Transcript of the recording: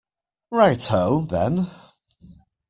Right ho, then.